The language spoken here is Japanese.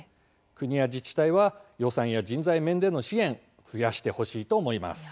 国や自治体は、予算や人材面での支援を増やしてほしいと思います。